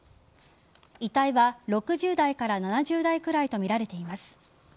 遺体は６０代から７０代くらいとみられています。